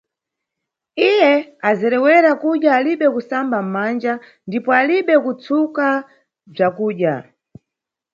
Iwe azerewera kudya alibe kusamba manja ndipo alibe kutsuka bzakudya.